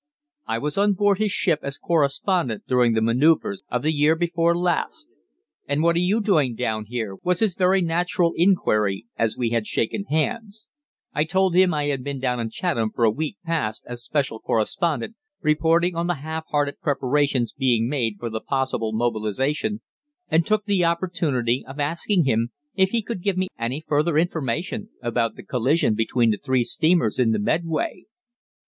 "I was on board his ship as correspondent during the manoeuvres of the year before last. 'And what are you doing down here?' was his very natural inquiry after we had shaken hands. I told him that I had been down in Chatham for a week past as special correspondent, reporting on the half hearted preparations being made for the possible mobilisation, and took the opportunity of asking him if he could give me any further information about the collision between the three steamers in the Medway.